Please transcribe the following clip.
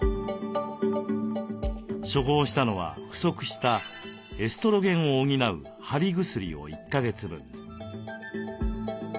処方したのは不足したエストロゲンを補う貼り薬を１か月分。